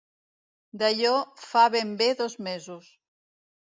D'allò fa ben bé dos mesos.